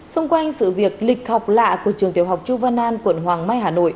xung quanh sự việc lịch học lạ của trường tiểu học chu văn an quận hoàng mai hà nội